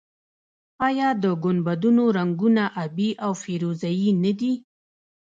آیا د ګنبدونو رنګونه ابي او فیروزه یي نه دي؟